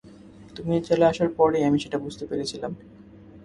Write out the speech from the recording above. তুমি চলে আসার পরই আমি সেটা বুঝতে পেরেছিলাম।